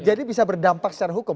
jadi bisa berdampak secara hukum